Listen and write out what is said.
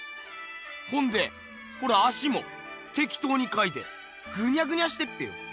ほんでこの足もてきとうにかいてぐにゃぐにゃしてっぺよ。